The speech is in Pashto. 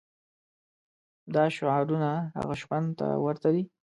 دا شعارونه هغه شخوند ته ورته دي.